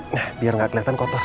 nah biar gak kelihatan kotor